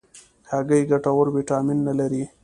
هګۍ ګټور ویټامینونه لري.